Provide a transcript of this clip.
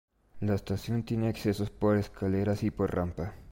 La estación tiene accesos por escaleras y por rampa.